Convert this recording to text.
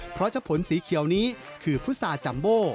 เพราะชะผลสีเขียวนี้คือพุษาจัมโบ